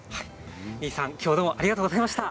新居さん、きょうはどうもありがとうございました。